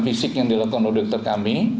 fisik yang dilakukan oleh dokter kami